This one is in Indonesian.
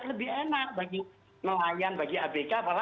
lebih enak bagi melayan bagi abk apalagi